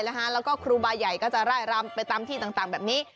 แล้วก็ครูบาใหญ่ก็จะไล่รำไปตามที่ต่างแบบนี้